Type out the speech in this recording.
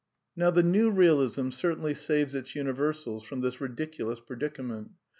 Now the New Eealism certainly saves its universals from this ridiculous predicament.